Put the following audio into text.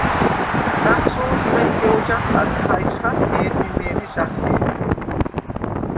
ნაცუ̄ლს მეზგე ვოჯახარს ხაჲშხახ მე̄რმე-მე̄რმე ჟახე̄ლ.